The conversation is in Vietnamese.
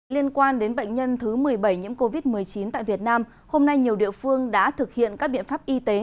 liên quan đến bệnh nhân thứ một mươi bảy nhiễm covid một mươi chín tại việt nam hôm nay nhiều địa phương đã thực hiện các biện pháp y tế